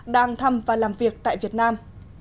đang thăm và làm việc tại việt nam